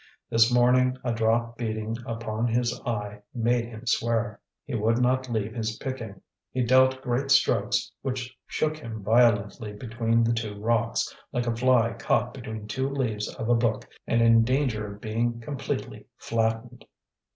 This morning a drop beating upon his eye made him swear. He would not leave his picking, he dealt great strokes which shook him violently between the two rocks, like a fly caught between two leaves of a book and in danger of being completely flattened.